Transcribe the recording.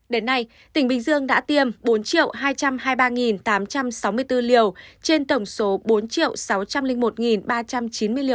đến nay tỉnh bình dương đã tiêm bốn hai trăm hai mươi ba tám trăm sáu mươi bốn liều trên tổng số bốn sáu trăm linh một ba trăm chín mươi liều